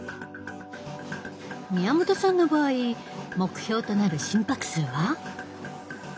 宮本さんの場合目標となる心拍数は？